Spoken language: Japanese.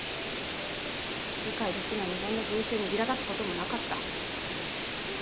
理解できない日本の風習にいら立つ事もなかった。